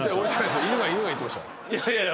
いやいや。